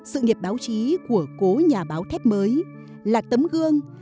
sự nghiệp báo chí của cố nhà báo thép mới là tấm gương